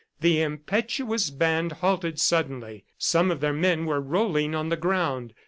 The impetuous band halted suddenly. Some of their men were rolling on the ground.